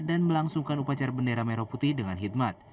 dan melangsungkan upacara bendera merah putih dengan hikmat